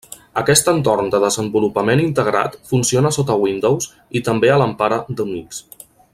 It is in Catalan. Aquest entorn de desenvolupament integrat funciona sota Windows i també a l'empara d'Unix.